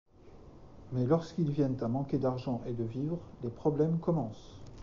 Mais lorsqu'ils viennent à manquer d'argent et de vivres, les problèmes commencent...